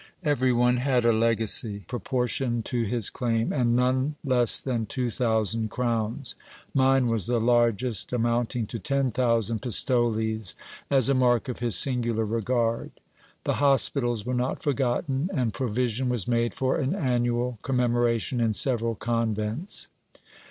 Every one had a legacy pro portioned to his claim, and none less than two thousand crowns : mine was the largest, amounting to ten thousand pistoles, as a mark of his singular regard. The hospitals were not forgotten, and provision was made for an annual com memoration in several convents.